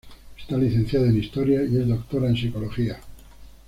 Está licenciada en Historia y es doctora en Psicología.